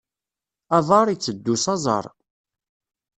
Aḍar, iteddu s aẓar.